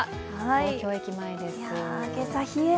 東京駅前です。